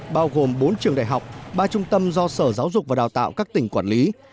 bao gồm bốn trường đại học ba trung tâm do sở giáo dục và đào tạo các tỉnh quản lý